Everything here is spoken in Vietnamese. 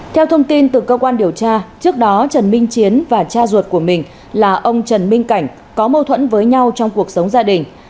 theo thông tin từ cơ quan điều tra trước đó trần minh chiến và cha ruột của mình là ông trần minh cảnh có mâu thuẫn với nhau trong cuộc sống gia đình